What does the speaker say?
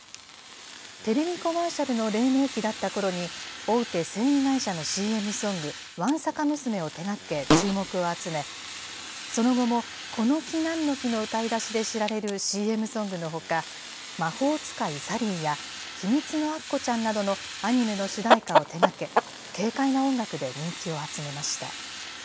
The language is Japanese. テレビコマーシャルの黎明期だったころに、大手繊維会社のＣＭソング、ワンサカ娘を手がけ注目を集め、その後も、この木なんの木の歌いだしで知られるＣＭソングのほか、魔法使いサリーや、ひみつのアッコちゃんなどのアニメの主題歌を手がけ、軽快な音楽で人気を集めました。